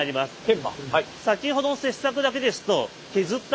先ほどの切削だけですとあ来た！